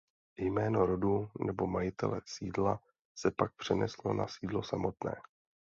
Jméno rodu nebo majitele sídla se pak přeneslo na sídlo samotné.